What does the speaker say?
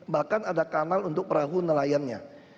bahkan ada kanal untuk perahu nelayannya